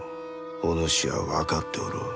お主は分かっておろう？